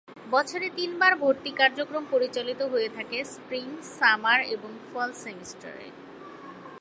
বছরে তিনবার ভর্তি কার্যক্রম পরিচালিত হয়ে থাকে স্প্রিং, সামার এবং ফল সেমিস্টারে।